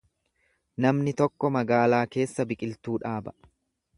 Namni tokko magaalaa keessa biqiltuu dhaaba.